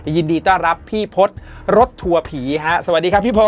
ยินดีต้อนรับพี่พลดรถถั่วผีครับ